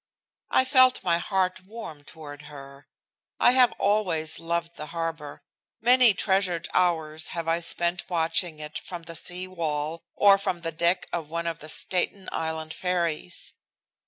I felt my heart warm toward her. I have always loved the harbor. Many treasured hours have I spent watching it from the sea wall or from the deck of one of the Staten Island ferries.